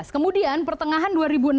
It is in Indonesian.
kemudian pertengahan dua ribu enam belas